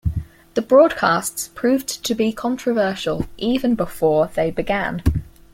The broadcasts proved to be controversial even before they began.